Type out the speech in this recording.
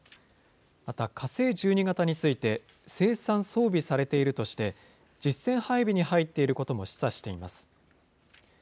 また、火星１２型について、生産、装備されているとして、実戦配備に入っていることも示唆しています。